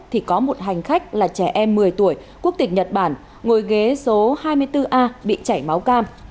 thì có một hành khách là trẻ em một mươi tuổi quốc tịch nhật bản ngồi ghế số hai mươi bốn a bị chảy máu cam